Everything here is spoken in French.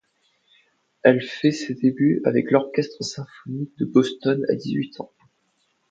Elle fait ses débuts avec l'Orchestre symphonique de Boston à dix-huit ans.